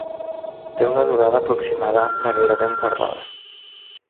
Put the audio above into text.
Té una durada aproximada de gairebé un quart d'hora.